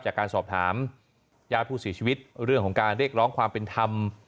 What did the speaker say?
จากการสอบถามญาติผู้เสียชีวิตเรื่องของการเรียกร้องความเป็นธรรม